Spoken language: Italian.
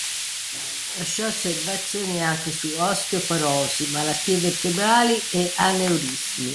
Lasciò osservazioni anche su osteoporosi, malattie vertebrali e aneurismi.